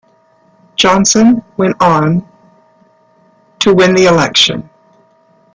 Johnson went on to win the election.